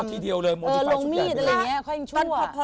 ละทีเดียวเลยมดฟัญสุดยาคือ